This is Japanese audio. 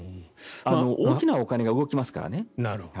大きなお金が動きますからね。